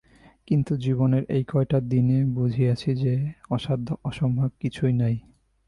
কিন্তু জীবনের এই কয়টা দিনে বুঝিয়াছি যে, অসাধ্য অসম্ভব কিছুই নাই।